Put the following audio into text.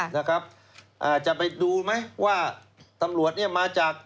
นะครับอ่าจะไปดูไหมว่าตำรวจเนี่ยมาจาก